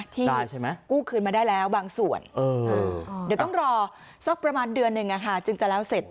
กู้คืนมาได้แล้วบางส่วนเดี๋ยวต้องรอสักประมาณเดือนหนึ่งจึงจะแล้วเสร็จ